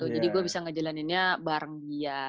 jadi gue bisa ngejalaninnya bareng dia